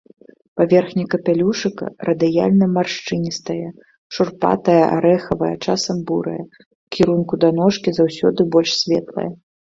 Паверхня капялюшыка радыяльна-маршчыністая, шурпатая, арэхавая, часам бурая, у кірунку да ножкі заўсёды больш светлая.